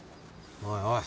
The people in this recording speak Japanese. おいおい。